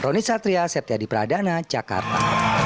ronit satria septya di pradana jakarta